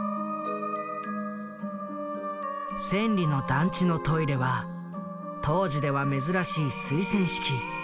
千里の団地のトイレは当時では珍しい水洗式。